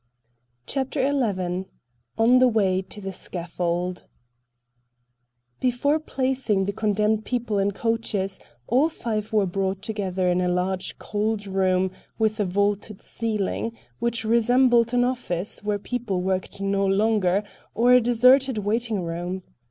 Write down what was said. CHAPTER XI ON THE WAY TO THE SCAFFOLD Before placing the condemned people in coaches, all five were brought together in a large cold room with a vaulted ceiling, which resembled an office, where people worked no longer, or a deserted waiting room.